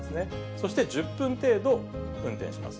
そして１０分程度運転します。